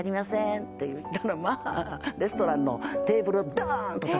って言ったらまあレストランのテーブルドーン！とたたいてね